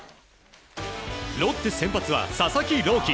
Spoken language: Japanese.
ロッテ、先発は佐々木朗希。